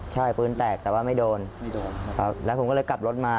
ใช่ปืนแตกแต่ว่าไม่โดนแล้วผมก็เลยกลับรถมา